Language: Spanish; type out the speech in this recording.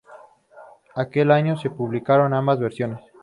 Aquel año se publicaron ambas versiones.